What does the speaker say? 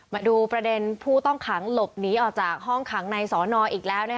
มาดูประเด็นผู้ต้องขังหลบหนีออกจากห้องขังในสอนออีกแล้ว